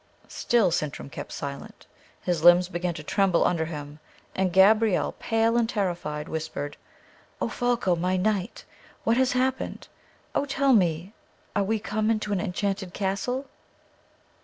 Still Sintram kept silence. His limbs began to tremble under him; and Gabrielle, pale and terrified, whispered, "O Folko, my knight, what has happened? Oh, tell me; are we come into an enchanted castle?"